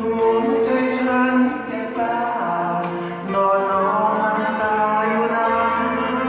หัวใจฉันแค่กานอนอ้อหักตายแล้ว